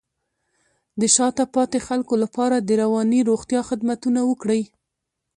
د شاته پاتې خلکو لپاره د رواني روغتیا خدمتونه ورکړئ.